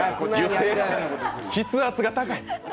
筆圧が高い。